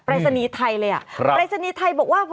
ปรับศึกฤติไทยเลยปรับศึกฤติไทยบอกว่า